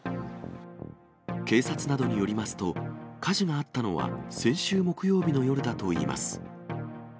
警察などによりますと、火事があったのは先週木曜日の夜だといいます。